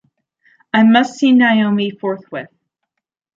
I must see Naomi forthwith.